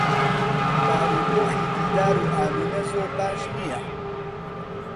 بارودۆخی دیدار و ئامینە زۆر باش نییە.